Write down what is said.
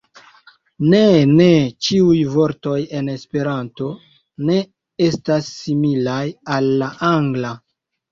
Ne, ne, ĉiuj vortoj en Esperanto ne estas similaj al la Angla.